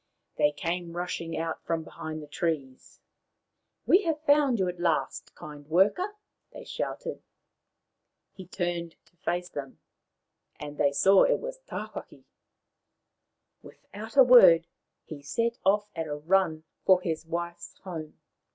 They came rushing out from behind the trees. " We have found you at last, kind worker/' they shouted. He turned his face to them, and they saw that he was Tawhaki ! Without a word he set off at a run for his wife's home.